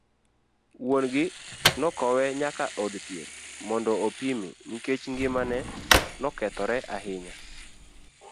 Wuon gi nokowe nyaka od thieth, mondo opime nikech ng'imane nokethore ahinya.